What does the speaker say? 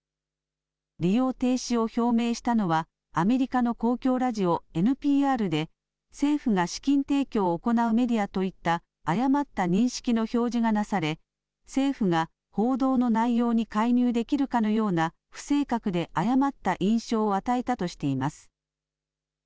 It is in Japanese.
利用停止を表明したのはアメリカの公共ラジオＮＰＲで政府が資金提供を行うメディアといった誤った認識の表示がなされ政府が報道の内容に介入できるかのような不正確で誤った印象を与えたとしています。